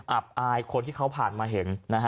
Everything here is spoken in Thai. อับอายคนที่เขาผ่านมาเห็นนะฮะ